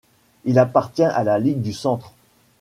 Il appartient à la ligue du Centre.